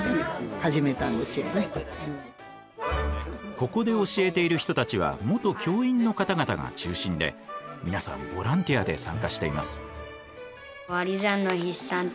ここで教えている人たちは元教員の方々が中心で皆さんボランティアで参加しています。